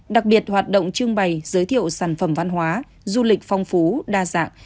đặc biệt hoạt động trưng bày giới thiệu sản phẩm văn hóa du lịch phong phú đa dạng